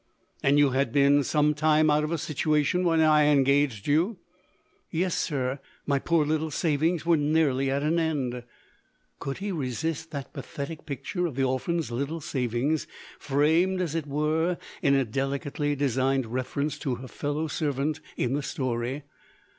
"And you had been some time out of a situation, when I engaged you?" "Yes, sir; my poor little savings were nearly at an end!" Could he resist that pathetic picture of the orphan's little savings framed, as it were, in a delicately designed reference to her fellow servant in the story?